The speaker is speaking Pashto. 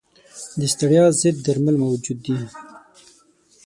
د ستړیا ضد درمل موجود دي.